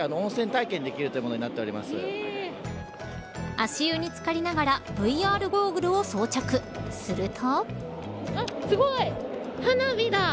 足湯に漬かりながらＶＲゴーグルを装着すると。